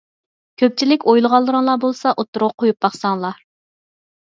كۆپچىلىك ئويلىغانلىرىڭلار بولسا ئوتتۇرىغا قويۇپ باقساڭلار!